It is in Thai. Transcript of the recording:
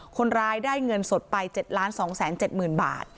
คนร้ายได้เงินสดไป๗๒๗๐๐๐บาท